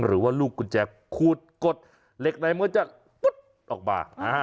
หรือว่าลูกกุญแจขูดกดเหล็กในมันก็จะปุ๊ดออกมา